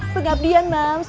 pengabdian mams pengabdian mams